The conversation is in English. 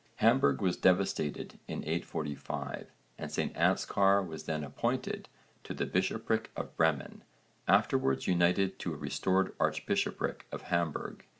Hamburg was devastated in 845 and St Anskar was then appointed to the bishopric of Bremen, afterwards united to a restored archbishopric of Hamburg.